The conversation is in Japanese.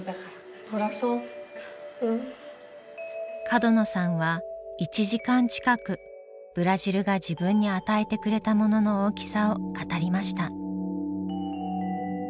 角野さんは１時間近くブラジルが自分に与えてくれたものの大きさを語りました。